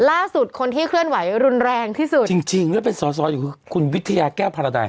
ล่าสุดคนที่เคลื่อนไหวรุนแรงที่สุดจริงจริงแล้วเป็นสอสออยู่คือคุณวิทยาแก้วพารดัย